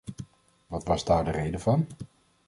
Wat was daar de reden van?